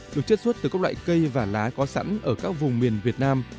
được chất xuất từ các loại cây và lá có sẵn ở các vùng miền việt nam